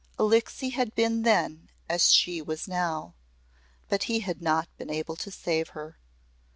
Alixe had been then as she was now but he had not been able to save her.